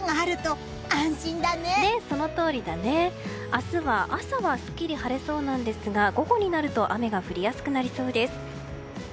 そのとおりだね。明日は朝はすっきり晴れそうなんですが午後になると雨が降りやすくなりそうです。